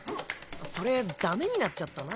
それダメになっちゃったな。